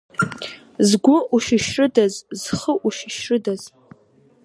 Згәы ушьышьрыдаз, зхы ушьышьрыдаз!